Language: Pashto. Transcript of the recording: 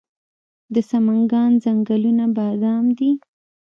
د سمنګان ځنګلونه بادام دي